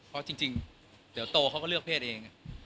เพราะจริงเดี๋ยวโตเขาก็เลือกเพศเอง